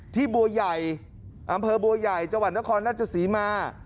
ที่บัวใหญ่อำเภอบัวใหญ่จวันนครนักศึกษีมา